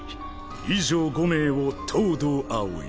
以上５名を東堂葵。